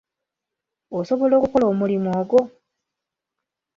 Osobola okukola omulimu ogwo?